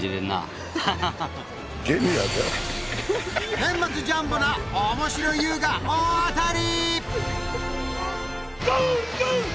年末ジャンボな面白ＹＯＵが大当たり！